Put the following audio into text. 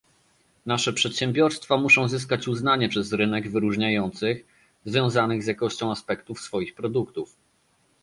Nasze przedsiębiorstwa muszą zyskać uznanie przez rynek wyróżniających, związanych z jakością aspektów swoich produktów